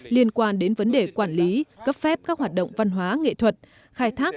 liên quan đến vấn đề quản lý cấp phép các hoạt động văn hóa nghệ thuật khai thác